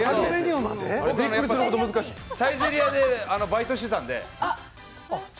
サイゼリヤでバイトしてたんで。